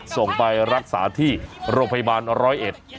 ส่งไปรักษาที่โรงพยาบาลร้อยเอ็ด